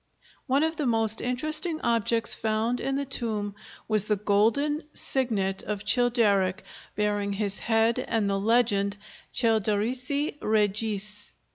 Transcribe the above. One of the most interesting objects found in the tomb was the golden signet of Childeric bearing his head and the legend Childerici regis.